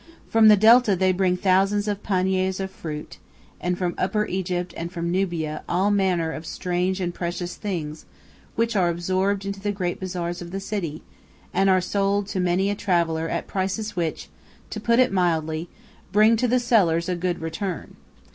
From the Delta they bring thousands of panniers of fruit, and from Upper Egypt and from Nubia all manner of strange and precious things which are absorbed into the great bazaars of the city, and are sold to many a traveller at prices which, to put it mildly, bring to the sellers a good return.